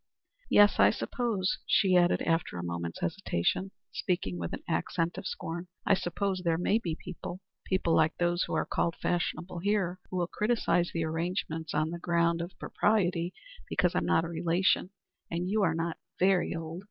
"Yes. I suppose," she added, after a moment's hesitation speaking with an accent of scorn "I suppose there may be people people like those who are called fashionable here who will criticise the arrangement on the ground er of propriety, because I'm not a relation, and you are not very old.